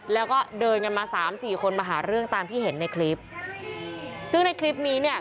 แล้วก็เดินกันมาสามสี่คนมาหาเรื่องตามที่เห็นในคลิปซึ่งในคลิปนี้เนี่ย